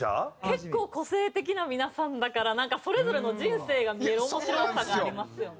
結構個性的な皆さんだからなんかそれぞれの人生が見える面白さがありますよね。